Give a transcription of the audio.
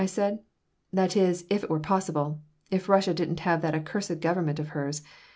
said I. "That is, if it were possible if Russia didn't have that accursed government of hers.